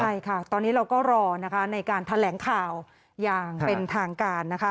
ใช่ค่ะตอนนี้เราก็รอนะคะในการแถลงข่าวอย่างเป็นทางการนะคะ